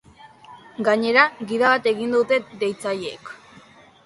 Gainera, gida bat egin dute deitzaileek.